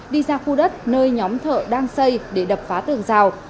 đi ra khu đất nơi nhóm thợ đang xây để đập phá tường rào